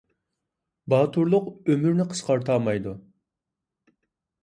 باتۇرلۇق ئۆمۇرنى قىسقارتامايدۇ